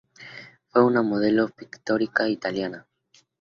Fue una modelo pictórica italiana.